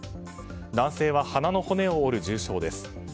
男性は鼻の骨を折る重傷です。